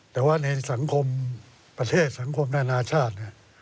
แต่ว่าในสังคมประเทศสังคมมายานาชาติ